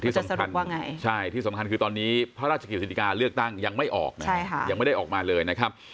สำคัญว่าไงใช่ที่สำคัญคือตอนนี้พระราชกิจการเลือกตั้งยังไม่ออกนะครับยังไม่ได้ออกมาเลยนะครับ